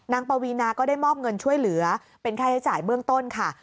ปวีนาก็ได้มอบเงินช่วยเหลือเป็นค่าใช้จ่ายเบื้องต้นค่ะ